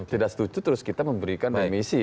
tidak setuju terus kita memberikan remisi